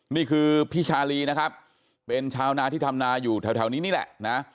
นี่คือพี่ชาลีนะครับเป็นชาวนาที่ทำนาอยู่แถวนี้นี่แหละนะ